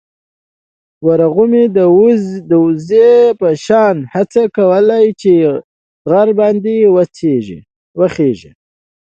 ورغومي د وزې په شان هڅه کوله چې غر باندې وخېژي.